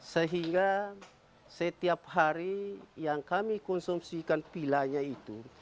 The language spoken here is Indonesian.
sehingga setiap hari yang kami konsumsikan pilanya itu